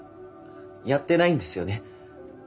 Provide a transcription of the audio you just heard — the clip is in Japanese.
やってないんですよね。